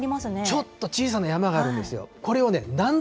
ちょっと小さな山があるんですよ。